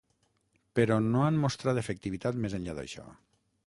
Però no han mostrat efectivitat més enllà d’això.